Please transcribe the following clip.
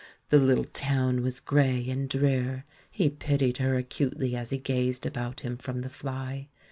The little town was grey and drear; he pitied her acutely as he gazed about him from the fly.